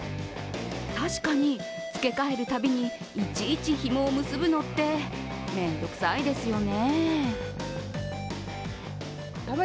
確かに、付け替えるたびにいちいちひもを結ぶのって面倒くさいですよね。